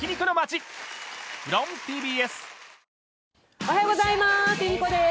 おはようございます。